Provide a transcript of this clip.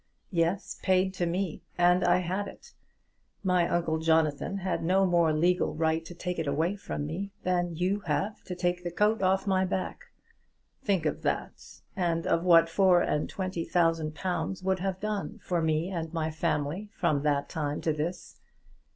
Yes, paid to me, and I had it! My uncle Jonathan had no more legal right to take it away from me than you have to take the coat off my back. Think of that, and of what four and twenty thousand pounds would have done for me and my family from that time to this.